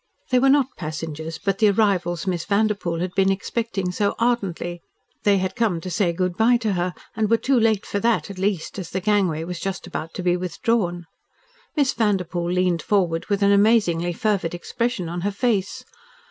They were not passengers, but the arrivals Miss Vanderpoel had been expecting so ardently. They had come to say good bye to her and were too late for that, at least, as the gangway was just about to be withdrawn. Miss Vanderpoel leaned forward with an amazingly fervid expression on her face.